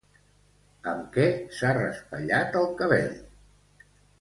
Amb què s'ha raspallat el cabell?